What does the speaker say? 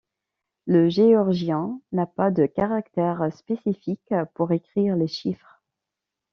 Le géorgien n'a pas de caractères spécifiques pour écrire les chiffres.